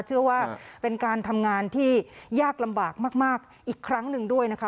เชื่อว่าเป็นการทำงานที่ยากลำบากมากอีกครั้งหนึ่งด้วยนะคะ